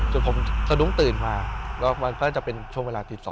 จนผมสะดุ้งตื่นมาแล้วมันก็จะเป็นช่วงเวลาตี๒